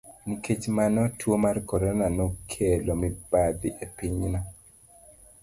Nikech mano, tuo mar Corona nokelo mibadhi e pinyno.